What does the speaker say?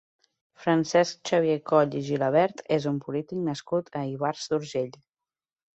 Francesc Xavier Coll i Gilabert és un polític nascut a Ivars d'Urgell.